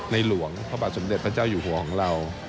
หลวงพระบาทสมเด็จพระเจ้าอยู่หัวของเรา